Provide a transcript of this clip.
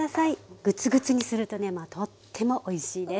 グツグツにするとねまあとってもおいしいです。